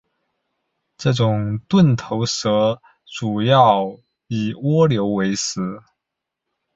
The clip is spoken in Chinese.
这种钝头蛇主要以蜗牛为食。